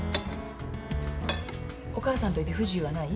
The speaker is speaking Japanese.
お母さんといて不自由はない？